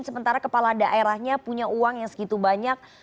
sementara kepala daerahnya punya uang yang segitu banyak